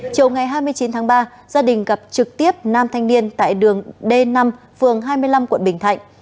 chiều ngày hai mươi chín tháng ba gia đình gặp trực tiếp nam thanh niên tại đường d năm phường hai mươi năm quận bình thạnh